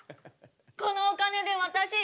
このお金で私